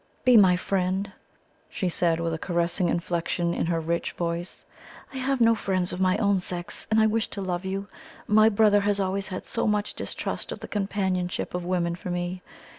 "Be my friend," she said, with a caressing inflection in her rich voice, "I have no friends of my own sex, and I wish to love you. My brother has always had so much distrust of the companionship of women for me.